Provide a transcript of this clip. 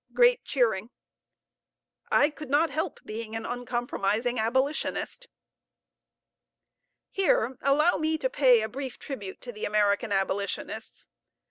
(Great cheering.) I could not help being an uncompromising abolitionist. Here allow me to pay a brief tribute to the American abolitionists.